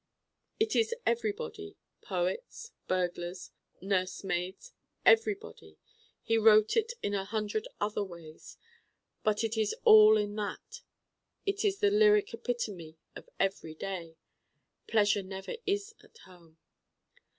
It is everybody poets, burglars, nursemaids: everybody. He wrote it in a hundred other ways, but it is all in that: it is the lyric epitome of every day. Pleasure never is at home.